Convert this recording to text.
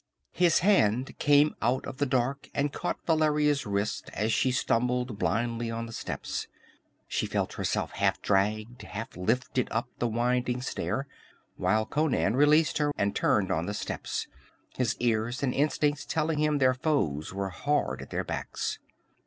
His hand came out of the dark and caught Valeria's wrist as she stumbled blindly on the steps. She felt herself half dragged, half lifted up the winding stair, while Conan released her and turned on the steps, his ears and instincts telling him their foes were hard at their backs.